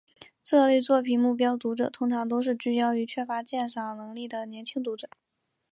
这类作品目标读者通常都是聚焦于缺乏鉴赏能力的年轻读者。